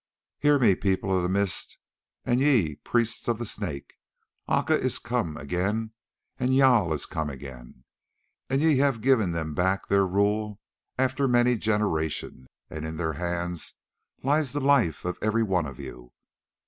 "Hear me, People of the Mist, and ye, priests of the Snake. Aca is come again and Jâl is come again, and ye have given them back their rule after many generations, and in their hands lies the life of every one of you.